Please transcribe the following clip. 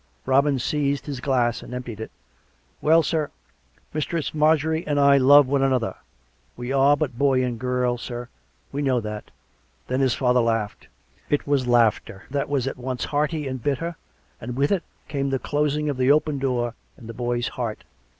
Robin seized his glass and emptied it. " Well, sir. Mistress Marjorie and I love one another. We are but boy and girl, sir; we know that " Then his father laughed. It was laughter that was at once hearty and bitter; and, with it, came the closing of the open door in the boy's heart.